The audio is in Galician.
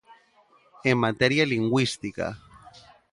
En materia lingüística.